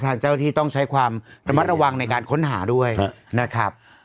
เจ้าที่ต้องใช้ความระมัดระวังในการค้นหาด้วยนะครับ